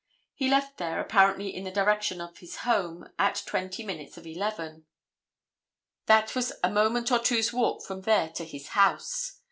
He left there, apparently in the direction of his home, at twenty minutes of 11. That was a moment or two's walk from there to his house.